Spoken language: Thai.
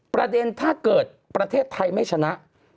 ถ้าเกิดประเทศไทยไม่ชนะ